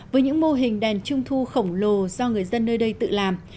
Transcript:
với những mô hình đèn trung thu khổng lồ do người dân nơi đây tự làm